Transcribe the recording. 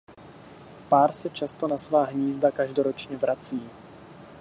Pár se často na svá hnízda každoročně vrací.